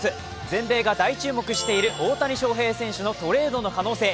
全米が大注目している大谷翔平選手のトレードの可能性。